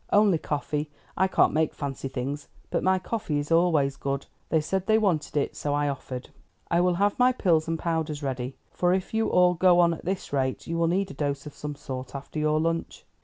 "Only coffee. I can't make fancy things, but my coffee is always good. They said they wanted it, so I offered." "I will have my pills and powders ready, for if you all go on at this rate you will need a dose of some sort after your lunch.